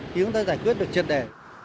khiến chúng ta giải quyết được triệt đề